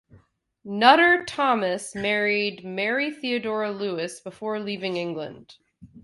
Nutter Thomas married Mary Theodora Lewis before leaving England.